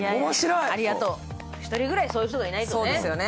１人ぐらいそういう人がいないとね。